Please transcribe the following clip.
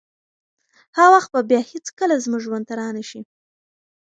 هغه وخت به بیا هیڅکله زموږ ژوند ته رانشي.